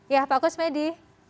ya pak kusmedi